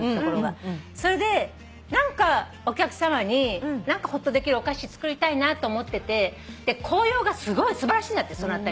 それでお客さまにほっとできるお菓子作りたいなと思ってて紅葉が素晴らしいんだってその辺り。